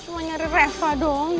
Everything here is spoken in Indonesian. cuma nyari reva doang